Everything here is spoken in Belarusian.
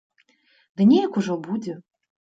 Ды неяк ужо будзе.